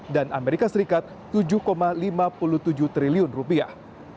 dan amerika serikat tujuh lima puluh tujuh triliun rupiah